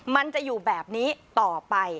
มันจะอยู่แบบนี้ต่อไป